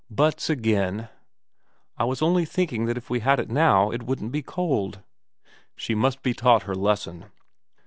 ' Buts again ?'* I was only thinking that if we had it now it wouldn't be cold.' * She must be taught her lesson.'